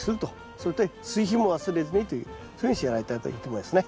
それと追肥も忘れずにというそういうふうにしてやられたらいいと思いますね。